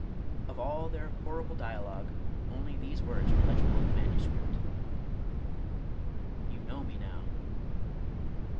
Of all their horrible dialogue, only these words were legible in the manuscript, " You know me now."